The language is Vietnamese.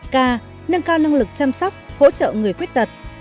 k nâng cao năng lực chăm sóc hỗ trợ người khuyết tật